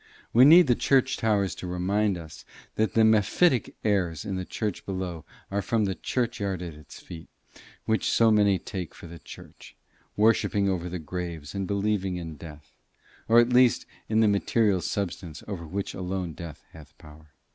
We need the church towers to remind us that the mephitic airs in the church below are from the churchyard at its feet, which so many take for the church, worshipping over the graves and believing in death or at least in the material substance over which alone death hath power.